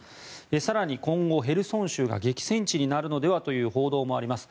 更に今後、ヘルソン州が激戦地になるのではという報道もあります。